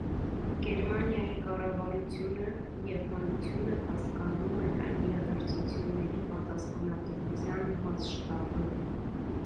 Գերմանիայի կառավարությունը և հանրությունը հասկանում են այդ իրադարձությունների պատասխանատվության մասշտաբը։